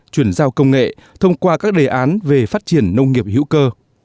chuyển giao công nghệ thông qua các đề án về phát triển nông nghiệp hữu cơ